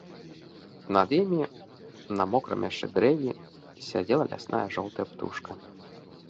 Над імі, на мокрым яшчэ дрэве, сядзела лясная жоўтая птушка.